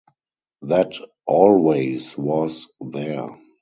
That always was there.